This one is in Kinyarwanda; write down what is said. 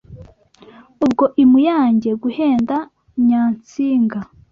Ubwo i Muyange Guhenda Nyantsinga